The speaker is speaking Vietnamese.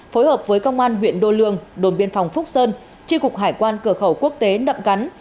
phối hợp với công an huyện đô lương đồn biên phòng phúc sơn tri cục hải quan cửa khẩu quốc tế nậm cắn